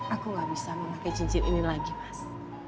aku gak bisa memakai cincin ini lagi mas